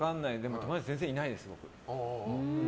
友達、全然いないです。